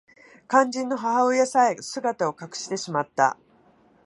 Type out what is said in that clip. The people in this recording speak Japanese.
肝心の母親さえ姿を隠してしまった